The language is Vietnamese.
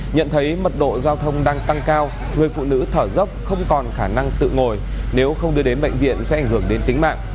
nhận thấy mật độ giao thông đang tăng cao người phụ nữ thở dốc không còn khả năng tự ngồi nếu không đưa đến bệnh viện sẽ ảnh hưởng đến tính mạng